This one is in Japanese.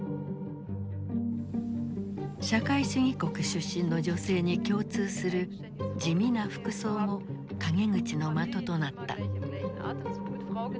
社会主義国出身の女性に共通する地味な服装も陰口の的となった。